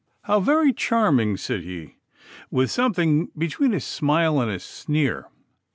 'How very charming!' said he, with something between a smile and a sneer.